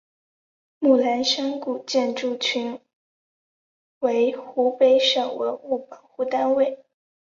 木兰山古建筑群为湖北省文物保护单位。